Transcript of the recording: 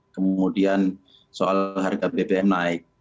kemudian soal harga bbm naik